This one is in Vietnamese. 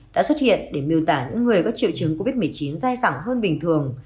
đã xuất hiện để miêu tả những người có triệu chứng covid một mươi chín dai dẳng hơn bình thường